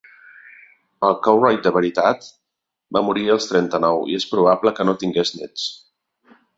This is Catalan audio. El Courtright de veritat va morir als trenta-nou i és probable que no tingués nets.